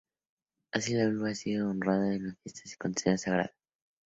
Así, la vulva ha sido honrada en fiestas y considerada sagrada.